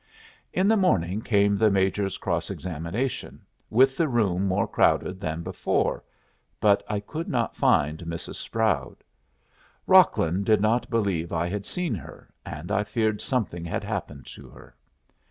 In the morning came the Major's cross examination, with the room more crowded than before, but I could not find Mrs. Sproud. Rocklin did not believe I had seen her, and I feared something had happened to her.